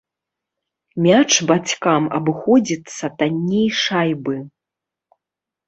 Мяч бацькам абыходзіцца танней шайбы.